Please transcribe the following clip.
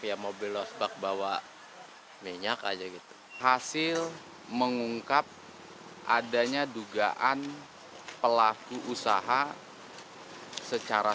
ya mobil losbak bawa minyak aja gitu hasil mengungkap adanya dugaan pelaku usaha secara